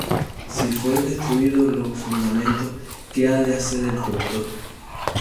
Si fueren destruídos los fundamentos, ¿Qué ha de hacer el justo?